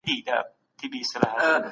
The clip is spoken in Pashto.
خپل فکر به د مثبتو بدلونونو لپاره کاروئ.